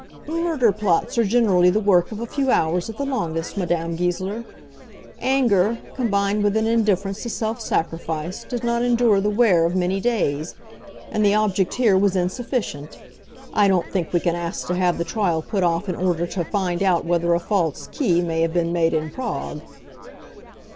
"Murder plots are generally the work of a few hours at the longest, Madame Goesler. Anger, combined with an indifference to self sacrifice, does not endure the wear of many days. And the object here was insufficient. I don't think we can ask to have the trial put off in order to find out whether a false key may have been made in Prague."